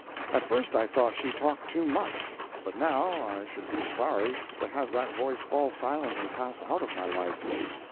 At first I thought she talked too much; but now I should be sorry to have that voice fall silent and pass out of my life.